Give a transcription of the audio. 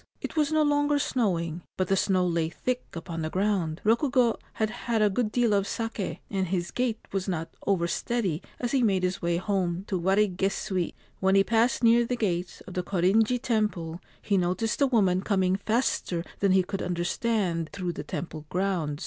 It was no longer snowing ; but the snow lay thick upon the ground. Rokugo had had a good deal of sake, and his gait was not over steady as he made his way home to Warigesui. When he passed near the gates of the Korinji Temple he noticed a woman coming faster than he could under stand through the temple grounds.